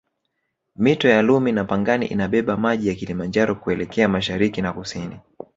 Mito ya Lumi na Pangani inabeba maji ya Kilimanjaro kuelekea mashariki na kusini